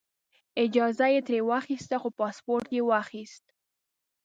اجازه یې ترې واخیسته خو پاسپورټ یې واخیست.